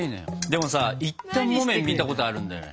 でもさ一反木綿見たことあるんだよね。